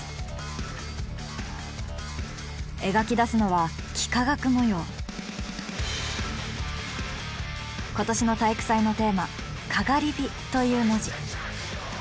描き出すのは今年の体育祭のテーマ「燎」という文字。